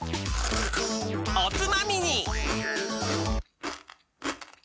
おつまみに！